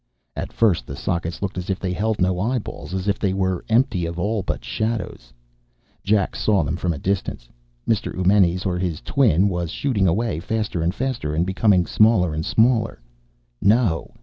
At first, the sockets looked as if they held no eyeballs, as if they were empty of all but shadows. Jack saw them from a distance. Mr. Eumenes or his twin was shooting away faster and faster and becoming smaller and smaller. No!